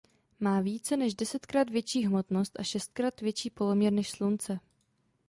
Má více než desetkrát větší hmotnost a šestkrát větší poloměr než Slunce.